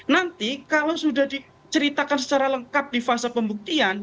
nanti kalau sudah diceritakan secara lengkap di fase pembuktian